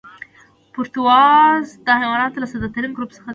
پروتوزوا د حیواناتو له ساده ترین ګروپ څخه دي.